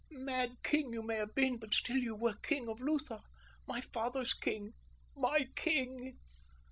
Mad king you may have been, but still you were king of Lutha—my father's king—my king."